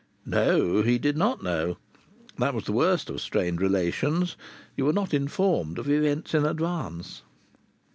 No, he did not know. That was the worst of strained relations. You were not informed of events in advance.